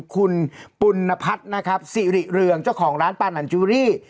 คุณปุณพัฒน์นะครับสิริเรืองเจ้าของร้านปานันจูรี่